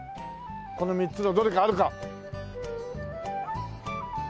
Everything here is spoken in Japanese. この３つのどれかあるか！？